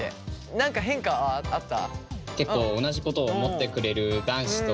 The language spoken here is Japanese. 何か変化はあった？